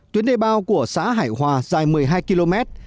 tuyến đề bao của xã hải hòa dài một mươi hai km